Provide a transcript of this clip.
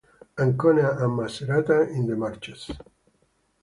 Ancona and Macerata in the Marches.